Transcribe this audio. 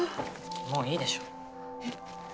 もういいでしょ？え？